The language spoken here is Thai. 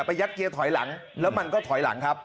ยัดเกียร์ถอยหลังแล้วมันก็ถอยหลังครับ